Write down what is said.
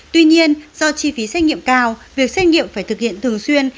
tuy nhiên do chi phí xét nghiệm cao việc xét nghiệm phải thực hiện thường xuyên